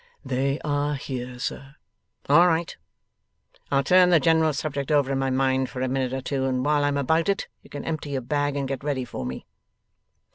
'They are here, sir.' 'All right. I'll turn the general subject over in my mind for a minute or two, and while I'm about it you can empty your bag and get ready for me.